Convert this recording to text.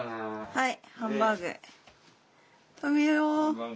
はい。